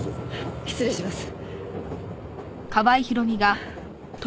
失礼します。